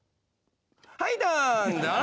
はいどんどん。